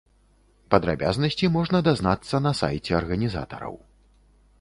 Падрабязнасці можна дазнацца на сайце арганізатараў.